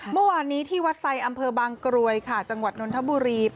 เมื่อวานี้ที่วัดไซส์อำเพิร์นบางกรวยจังหวัดนนทบุรี